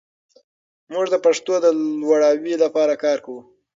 موږ د پښتو د لوړاوي لپاره کار کوو.